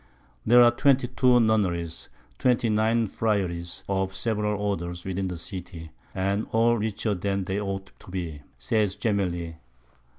There are 22 Nunneries and 29 Friaries of several Orders within the City, and all richer than they ought to be, says Gemelli.